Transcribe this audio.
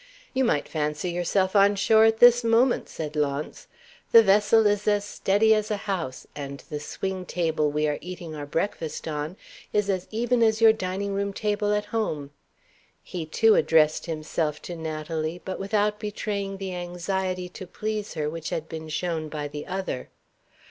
"You might fancy yourself on shore at this moment," said Launce. "The vessel is as steady as a house, and the swing table we are eating our breakfast on is as even as your dining room table at home." He too addressed himself to Natalie, but without betraying the anxiety to please her which had been shown by the other.